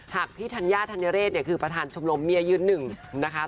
หากพี่ธัญญาธัญเรศเนี่ยคือประธานชมรมเมียยืนหนึ่งนะคะ